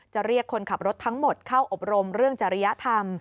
จะเรียกคนขับรถทั้งหมดเข้าอบรมเรื่องจริยธรรม